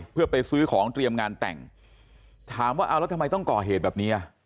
เพื่อไปซื้อของเตรียมงานแต่งถามว่าเอาแล้วทำไมต้องก่อเหตุแบบนี้อ่ะ